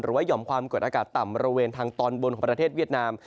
หย่อมความกดอากาศต่ำบริเวณทางตอนบนของประเทศเวียดนาม